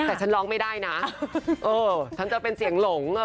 แต่ฉันร้องไม่ได้นะเออฉันจะเป็นเสียงหลง